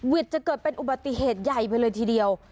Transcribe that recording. จะเกิดเป็นอุบัติเหตุใหญ่ไปเลยทีเดียว